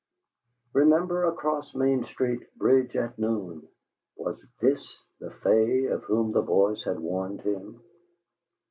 "REMEMBER! ACROSS MAIN STREET BRIDGE AT NOON!" Was THIS the fay of whom the voice had warned him?